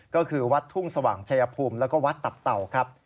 ก็คือวัดทุ่งสว่างเชยภูมิและวัดตับเต่า